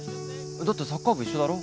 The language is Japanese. だってサッカー部一緒だろ？